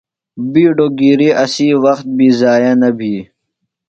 بِیڈوۡ گِری اسی وخت بی ضائع نہ بھی۔